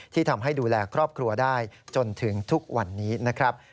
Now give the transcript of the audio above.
ที่ทำให้ดูแลครอบครัวได้จนถึงทุกวันนี้นะครับ